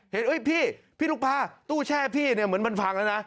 พี่พี่ลูกพาตู้แช่พี่เนี่ยเหมือนมันพังแล้วนะ